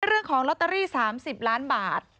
เรื่องของลอตเตอรี่๓๐ล้านบาท